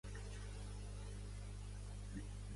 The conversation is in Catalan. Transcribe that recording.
No sobreviuen escriptors incisius ni territoris exòtics.